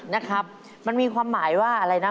นะครับมันมีความหมายว่าอะไรนะ